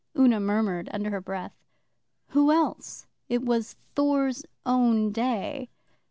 Una murmured under her breath. 'Who else? It was Thor's own day.